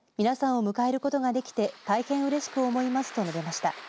皆さんを迎えることができて大変うれしく思いますと述べました。